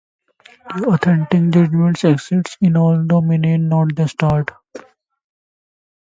Yet aesthetic judgments exists in all domains, not just art.